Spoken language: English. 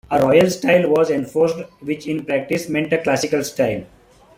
A "royal style" was enforced which in practice meant a classical style.